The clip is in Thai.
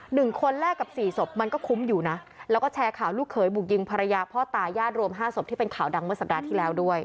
หนึ่งคนแลกกับสี่ศพมันก็คุ้มอยู่นะแล้วก็แชร์ข่าวลูกเขยบุกยิงภรรยาพ่อตายาดรวมห้าศพที่เป็นข่าวดังเมื่อสัปดาห์ที่แล้วด้วย